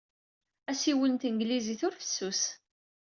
Assiwel n tanglizit ur fessus.